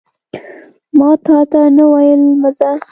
ماتاته نه ویل مه ځه